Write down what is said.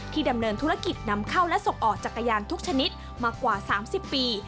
ดำเนินธุรกิจนำเข้าและส่งออกจักรยานทุกชนิดมากว่า๓๐ปี